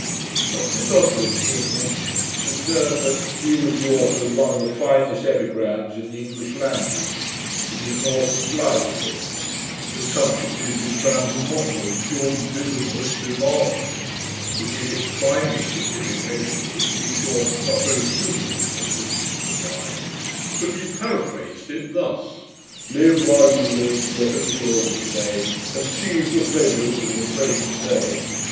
Dr Dodridge being mentioned, he observed that 'he was author of one of the finest epigrams in the English language. It is in Orton's Life of him. The subject is his family motto, Dum vivimus, vivamus; which, in its primary signification, is, to be sure, not very suitable to a Christian divine; but he paraphrased it thus: "Live, while you live, the EPICURE would say, And seize the pleasures of the present day.